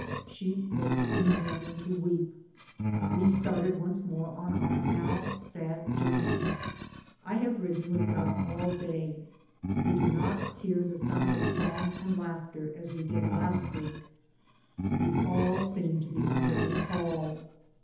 She wakes in the morning to weep. We started once more on our now sad journey. I have ridden with Gus all day. We do not hear the sound of song and laughter as we did last week; we all seem to be under a pall.